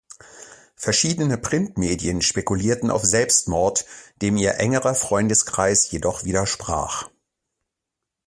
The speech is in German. Verschiedene Printmedien spekulierten auf Selbstmord, dem ihr engerer Freundeskreis jedoch widersprach.